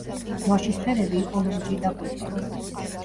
დროშის ფერები იყო ლურჯი და ყვითელი.